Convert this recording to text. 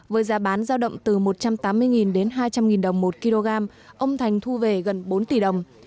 với giá bán giao động từ một trăm tám mươi đến hai trăm linh đồng một kg ông thành thu về gần bốn tỷ đồng